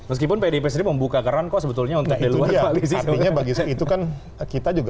meskipun pdip sendiri membuka keran kok sebetulnya untuk dari luar koalisi